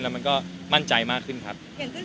แล้วมันก็มั่นใจมากขึ้นครับ